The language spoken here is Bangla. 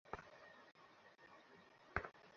এটা দাও বলছি।